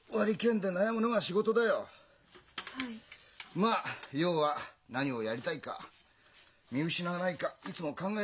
まあ要は何をやりたいか見失わないかいつも考えてりゃいいんだよ。